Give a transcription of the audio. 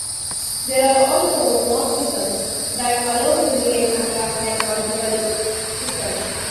There are also morphisms that allow to relate and translate logical systems.